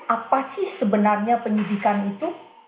apa sih sebenarnya penyidikan itu